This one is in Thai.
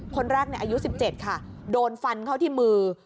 คนแรกเนี้ยอายุสิบเจ็ดค่ะโดนฟันเข้าที่มือ